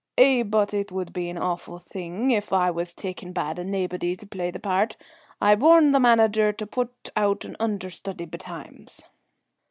Eh, but it would be an awfu' thing if I was taken bad and naebody to play the part. I'll warn the manager to put on an under study betimes."